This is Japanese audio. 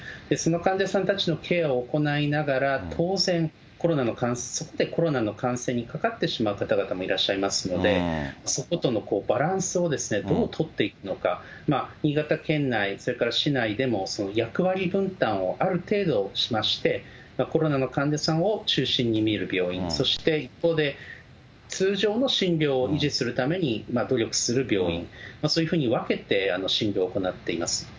その患者さんたちのケアを行いながら、当然、そこでコロナの感染にかかってしまう方々もいらっしゃいますので、そことのバランスをどう取っていくのか、新潟県内、それから市内でも、役割分担をある程度しまして、コロナの患者さんを中心に診る病院、そして、一方で、通常の診療を維持するために努力する病院、そういうふうに分けて診療を行っています。